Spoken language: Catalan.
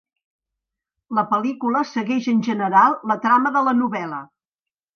La pel·lícula segueix en general la trama de la novel·la.